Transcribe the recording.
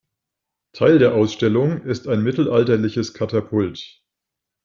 Teil der Ausstellung ist ein mittelalterliches Katapult.